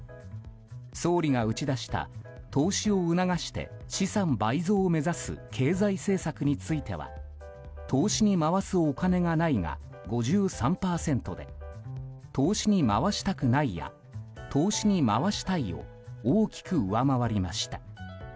総理が打ち出した投資を促して資産倍増を目指す経済政策については投資に回すお金がないが５３％で投資に回したくないや投資に回したいを大きく上回りました。